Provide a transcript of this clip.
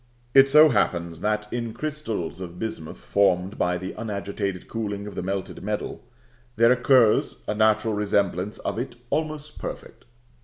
It so happens that in crystals of bismuth formed by the unagitated cooling of the melted metal, there occurs a natural resemblance of it almost perfect.